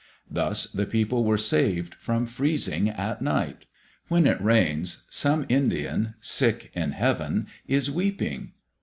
Thus the people were saved from freezing at night. When it rains, some Indian, sick in heaven, is weeping.